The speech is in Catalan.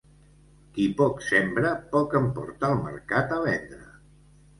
Qui poc sembra, poc en porta al mercat a vendre.